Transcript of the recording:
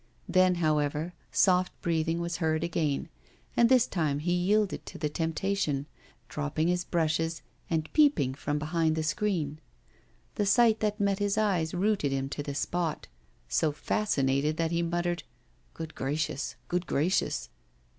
Then, however, soft breathing was heard again, and this time he yielded to the temptation, dropping his brushes, and peeping from behind the screen. The sight that met his eyes rooted him to the spot, so fascinated that he muttered, 'Good gracious! good gracious!